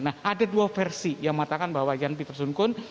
nah ada dua versi yang mengatakan bahwa jan pietersoenkoen